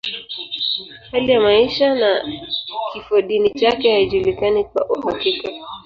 Hali ya maisha na kifodini chake haijulikani kwa uhakika.